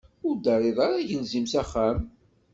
Ur d-terriḍ ara agelzim s axxam.